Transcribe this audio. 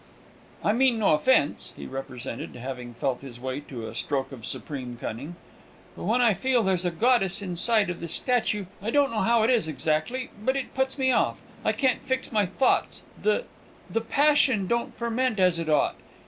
"I mean no offence," he represented, having felt his way to a stroke of supreme cunning, "but when I feel there's a goddess inside of this statue, I don't know how it is exactly, but it puts me off. I can't fix my thoughts; the the passion don't ferment as it ought.